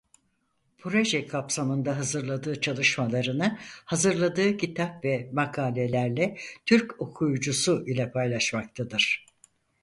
Proje kapsamında hazırladığı çalışmalarını hazırladığı kitap ve makalelerle Türk okuyucusu ile paylaşmaktadır.